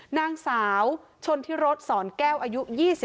นางสาวชนทิรศศรแก้วอายุ๒๔